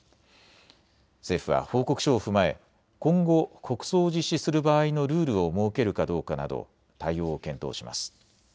政府は報告書を踏まえ今後、国葬を実施する場合のルールを設けるかどうかなど対応を検討します。